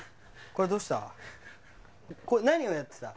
これどうした？